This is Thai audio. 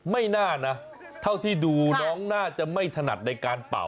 ไม่น่านะเท่าที่ดูน้องน่าจะไม่ถนัดในการเป่า